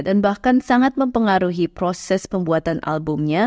dan bahkan sangat mempengaruhi proses pembuatan albumnya